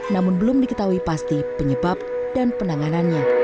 namun belum diketahui pasti penyebab dan penanganannya